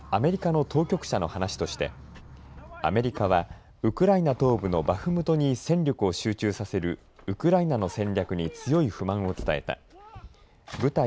具体的にはアメリカの当局者の話としてアメリカは、ウクライナの東部のバフムトに戦力を集中させるウクライナの戦略に強い不満を伝えた。